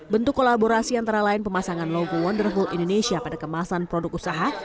bentuk kolaborasi antara lain pemasangan logo wonderful indonesia pada kemasan produk usaha